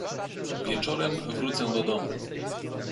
"Wieczorem wrócę do domu."